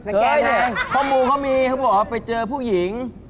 แก้เนี่ยข้อมูลเขามีเขาบอกว่าไปเจอผู้หญิง